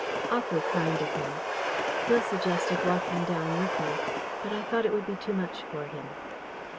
Awfully kind of him! Phil suggested walking down with me, but I thought it would be too much for him."